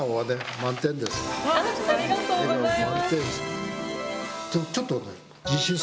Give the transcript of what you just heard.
ありがとうございます。